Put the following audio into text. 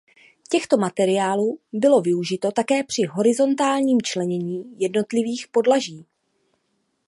Těchto materiálů bylo využito také při horizontálním členění jednotlivých podlaží.